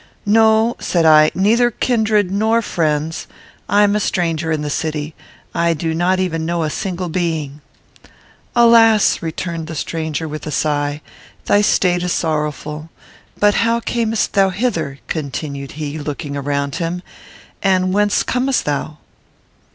"No," said I; "neither kindred nor friends. I am a stranger in the city. I do not even know a single being." "Alas!" returned the stranger, with a sigh, "thy state is sorrowful. But how camest thou hither?" continued he, looking around him; "and whence comest thou?"